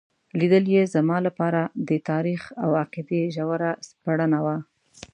لیدل یې زما لپاره د تاریخ او عقیدې ژوره سپړنه وه.